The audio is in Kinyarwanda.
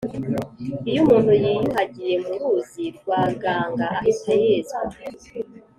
iyo umuntu yiyuhagiye mu ruzi rwa ganga ahita yezwa.